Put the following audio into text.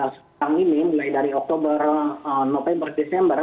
sekarang ini mulai dari oktober november desember